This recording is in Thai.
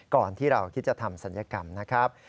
ก่อนที่เราคิดจะทำศัลยกรรมนะครับ